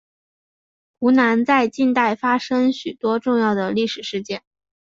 湖南在近代发生许多重要的历史事件。